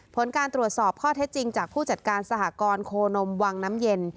ผลการตรวจสอบข้อเท็จจริงจากผู้จัดการสหกรณ์โคนมวังน้ำเย็น